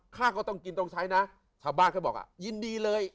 ก็ต้องกินต้องใช้นะชาวบ้านเขาบอกอ่ะยินดีเลย